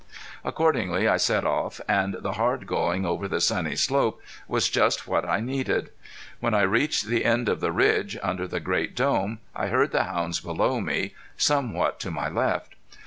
Accordingly I set off, and the hard going over the sunny slope was just what I needed. When I reached the end of the ridge, under the great dome, I heard the hounds below me, somewhat to my left.